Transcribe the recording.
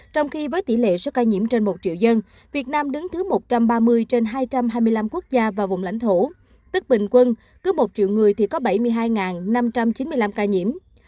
trong khi với tỷ lệ số ca nhiễm trên một triệu dân việt nam đứng thứ một trăm ba mươi trên hai trăm hai mươi năm quốc gia và vùng lãnh thổ tức bình quân cứ một triệu người thì có bảy mươi hai năm trăm chín mươi năm ca nhiễm